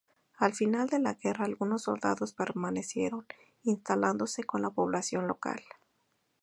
Al final de la guerra algunos soldados permanecieron, instalándose con la población local.